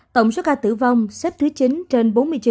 tổng số ca tử vong xếp thứ chín trên bốn mươi chín